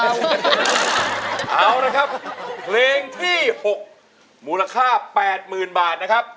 เอาละครับเพลงที่๖มูลค่า๘๐๐๐บาทนะครับ